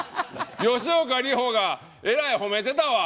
吉岡里帆がえらい褒めてたわ。